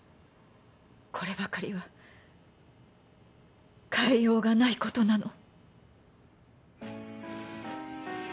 こればかりは変えようがないことなの。